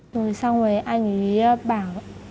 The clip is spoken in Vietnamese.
rồi xong rồi anh ấy bảo